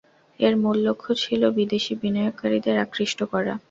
এর মূল লক্ষ্য ছিল, বিদেশি বিনিয়োগকারীদের আকৃষ্ট করা।